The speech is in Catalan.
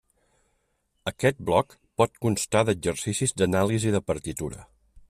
Aquest bloc pot constar d'exercicis d'anàlisi de partitura.